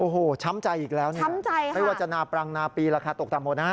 โอ้โหช้ำใจอีกแล้วนี่ไม่ว่าจะนาปรังนาปีราคาตกต่ำหมดนะ